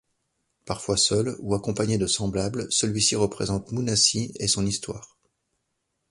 Parfois seul, ou accompagné de semblables, celui-ci représente Moonassi et son histoire.